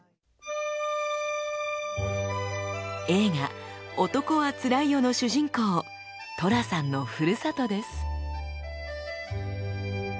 映画「男はつらいよ」の主人公寅さんのふるさとです。